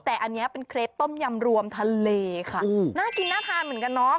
แต่อันนี้เป็นเครปต้มยำรวมทะเลค่ะน่ากินน่าทานเหมือนกันเนอะ